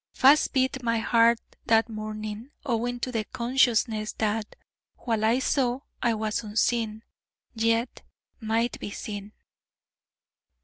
Fast beat my heart that morning, owing to the consciousness that, while I saw, I was unseen, yet might be seen.